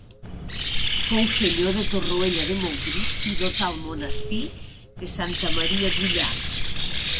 Fou senyor de Torroella de Montgrí i dotà el monestir de Santa Maria d'Ullà.